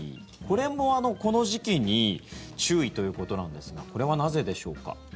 これもこの時期に注意ということなんですがこれはなぜでしょうか？